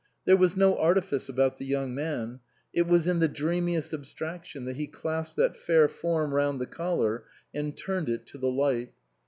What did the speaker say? There was no artifice about the young man ; it was in the dreamiest abstraction that he clasped that fair form round the collar and turned it to the light.